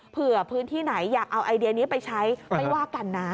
เผื่อพื้นที่ไหนอยากเอาไอเดียนี้ไปใช้ไม่ว่ากันนะ